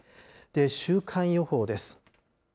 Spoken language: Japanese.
週間予報です。